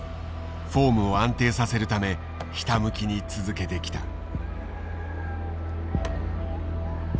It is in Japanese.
フォームを安定させるためひたむきに続けてきた。